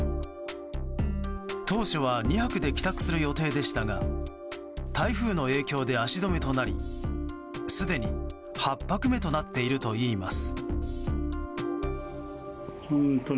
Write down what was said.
当初は２泊で帰宅する予定でしたが台風の影響で足止めとなりすでに８泊目となっているといいます。